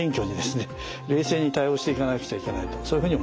冷静に対応していかなくちゃいけないとそういうふうに思います。